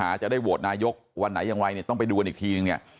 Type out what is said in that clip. อาจจะได้โหวตนายกวันไหนยังไวต้องไปดูอันอีกทีนึงเนี่ย